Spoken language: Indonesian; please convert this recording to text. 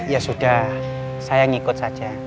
ya sudah saya ngikut saja